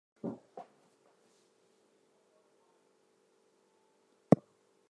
Listed below are the respective writers.